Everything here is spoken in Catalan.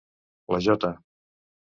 La J